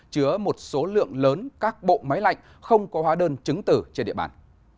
chứa một số lượng lớn các bộ máy lạnh không có hóa đơn chứng tử trên địa bàn